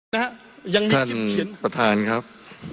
ท่านประธานครับ